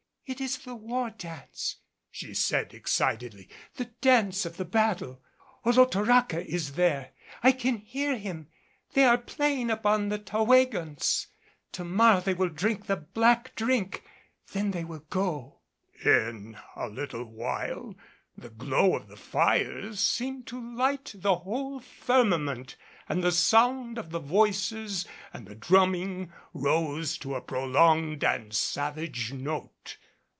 "It is the war dance," she said excitedly, "the dance of the battle. Olotoraca is there. I can hear him. They are playing upon the tawægons. To morrow they will drink the 'black drink.' Then they will go." In a little while the glow of the fires seemed to light the whole firmament and the sound of the voices and the drumming rose to a prolonged and savage note.